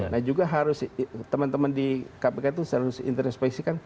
nah juga harus teman teman di kpk itu harus introspeksikan